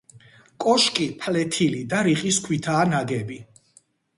კოშკი ფლეთილი და რიყის ქვითაა ნაგები.